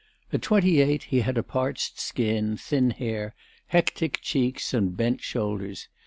At twenty eight, he had a parched skin, thin hair, hectic cheeks and bent shoulders.